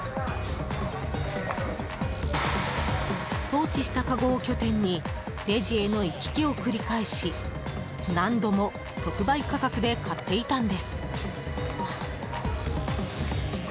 放置したかごを拠点にレジへの行き来を繰り返し何度も特売価格で買っていたんです。